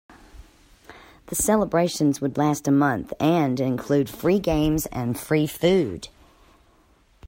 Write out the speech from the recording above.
The celebrations would last a month and include free games and free food.